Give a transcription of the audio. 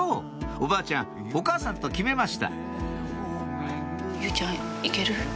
おばあちゃんお母さんと決めました佑ちゃん行ける？